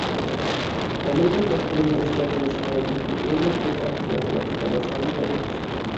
ئامېرىكا كالىفورنىيە ئىشتاتىنىڭ شىمالىدىكى ئورمان ئوت ئاپىتىدە قازا قىلغانلار سانى داۋاملىق ئاشتى.